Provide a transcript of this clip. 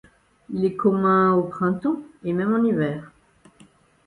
Il est commun au printemps et même en hiver.